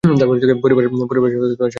পরেরবার সাথে করে নিয়ে আসবো।